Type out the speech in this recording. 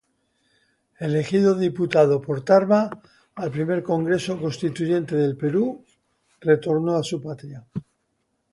Elegido diputado por Tarma al primer Congreso Constituyente del Perú, retornó a su patria.